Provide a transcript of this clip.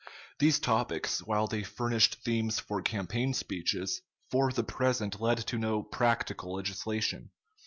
These topics, while they furnished themes for campaign speeches, for the present led to no practical legislation.